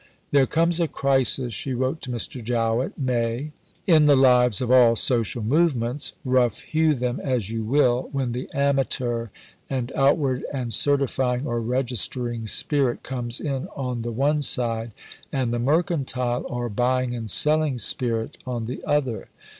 "There comes a crisis," she wrote to Mr. Jowett (May), "in the lives of all social movements, rough hew them as you will, when the amateur and outward and certifying or registering spirit comes in on the one side, and the mercantile or buying and selling spirit on the other.